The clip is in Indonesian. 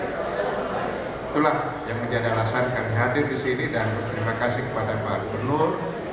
itulah yang menjadi alasan kami hadir di sini dan berterima kasih kepada pak gubernur